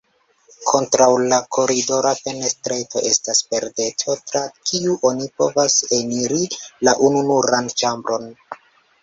Kontraŭ la koridora fenestreto estas pordeto, tra kiu oni povas eniri la ununuran ĉambron.